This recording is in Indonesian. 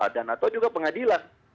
dan atau juga pengadilan